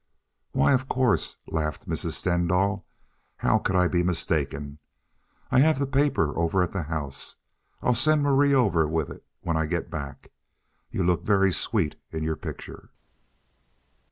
"Why, of course," laughed Mrs. Stendahl. "How could I be mistaken? I have the paper over at the house. I'll send Marie over with it when I get back. You look very sweet in your picture."